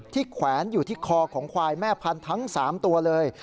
แขวนอยู่ที่คอของควายแม่พันธุ์ทั้ง๓ตัวเลย